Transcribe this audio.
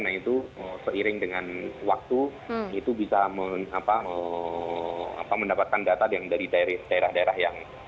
nah itu seiring dengan waktu itu bisa mendapatkan data yang dari daerah daerah yang